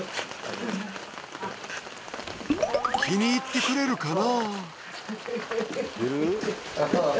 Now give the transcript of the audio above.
気に入ってくれるかな？